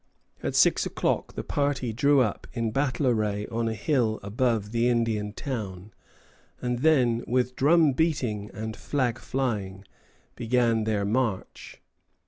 At six o'clock the party drew up in battle array on a hill above the Indian town, and then, with drum beating and flag flying, began their march.